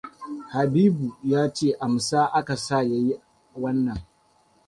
Habibua ya ce Amsa aka saka ya yi wannan.